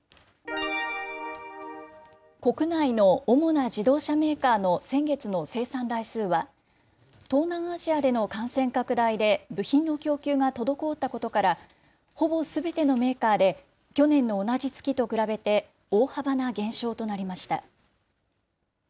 国内の主な自動車メーカーの先月の生産台数は、東南アジアでの感染拡大で部品の供給が滞ったことから、ほぼすべてのメーカーで去年の同じ月と比べて大幅な減少となりました。